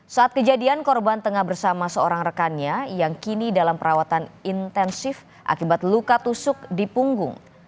saat kejadian korban tengah bersama seorang rekannya yang kini dalam perawatan intensif akibat luka tusuk di punggung